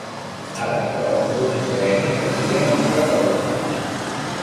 Ara, però, l'únic premi seria resoldre'l.